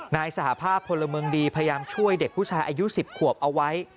นายสหภาพพลเมืองดีพยายามช่วยเด็กผู้ชายอายุ๑๐ขวบเอาไว้